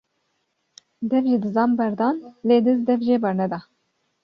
Dev ji dizan berdan lê diz dev jê bernade